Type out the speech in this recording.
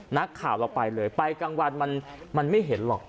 นักข่าวเราไปเลยไปกลางวันมันไม่เห็นหรอก